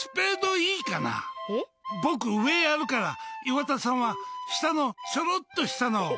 僕、上やるから岩田さんは下のちょろっとしたのを。